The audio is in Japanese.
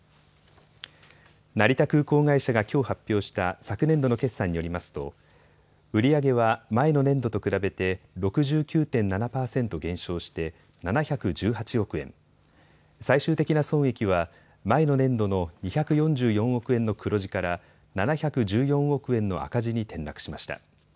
成田空港会社がきょう発表した昨年度の決算によりますと売り上げは前の年度と比べて６９．７％減少して７１８億円、最終的な損益は前の年度の２４４億円の黒字から７１４億円の赤字に転落しました。